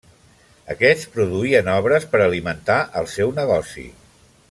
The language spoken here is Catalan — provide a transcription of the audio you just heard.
Aquests produïen obres per alimentar el seu negoci.